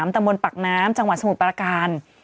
ตะมนต์ปักน้ำจังหวัดสมุทรปราการ